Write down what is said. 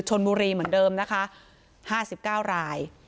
ชนบุรีเหมือนเดิมนะคะ๕๙ราย